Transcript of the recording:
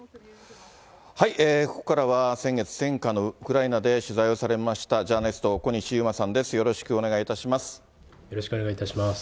ここからは先月、戦禍のウクライナで取材をされました、ジャーナリスト、小西遊馬さんです、よろしくお願いいたします。